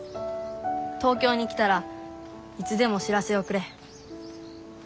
東京に来たらいつでも知らせをくれ。